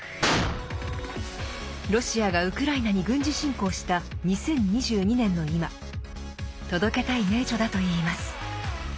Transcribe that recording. ロシアがウクライナに軍事侵攻した２０２２年の今届けたい名著だといいます。